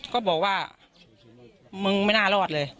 ก็บอกว่ามึงไม่น่ารอดเลย